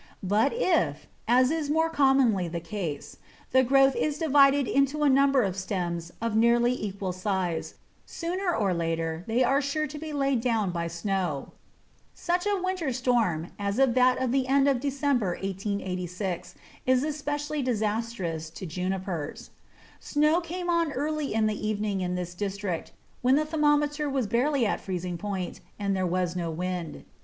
But if, as is more commonly the case, the growth is divided into a number of stems of nearly equal size, sooner or later they are sure to be laid down by snow. Such a winter storm as that of the end of December 1886 was especially disastrous to Junipers. Snow came on early in the evening in this district, when the thermometer was barely at freezing point and there was no wind.